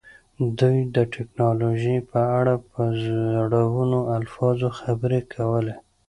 دوی د ټیکنالوژۍ په اړه په زړورو الفاظو خبرې کولې